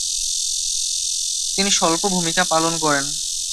তিনি স্বল্প ভূমিকা পালন করেন।